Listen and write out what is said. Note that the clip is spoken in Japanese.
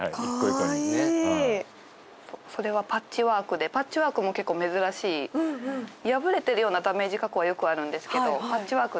カワイイそれはパッチワークでパッチワークも結構珍しい破れてるようなダメージ加工はよくあるんですけどパッチワーク